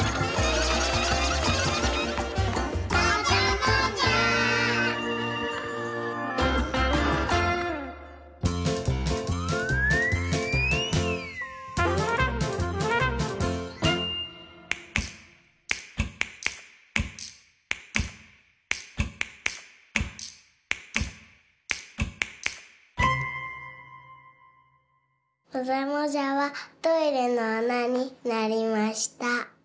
もじゃもじゃはトイレのあなになりました。